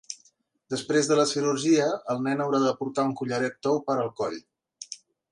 Després de la cirurgia, el nen haurà de portar un collaret tou per al coll.